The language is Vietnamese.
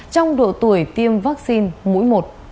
trong độ tuổi tiêm vaccine mũi một